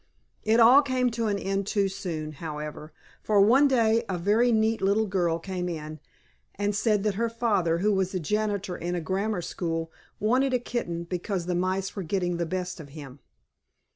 It all came to an end too soon, however, for one day a very neat little girl came in and said that her father, who was janitor in a grammar school, wanted a kitten, because the mice were getting the best of him.